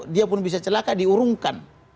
dia pun bisa celaka diurungkan